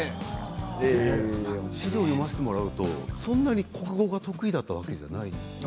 資料を読ませてもらうとそんなに国語が得意だったわけではないんですね。